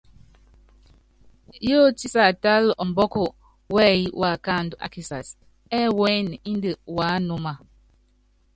Yótí siatála ɔmbɔ́ku wɛ́yí waakáandu ákisass, ɛ́ɛ́ wúɛ́nɛ indi wuánúma.